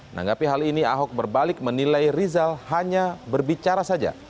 menanggapi hal ini ahok berbalik menilai rizal hanya berbicara saja